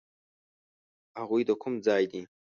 هغوی د کوم ځای دي؟